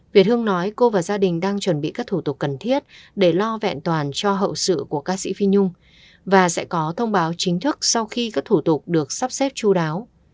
việt hương nói cô và gia đình đang chuẩn bị các thủ tục cần thiết để lo vẹn toàn cho hậu sự của ca sĩ phi nhung và sẽ có thông báo chính thức sau khi các thủ tục được sắp xếp chú đáo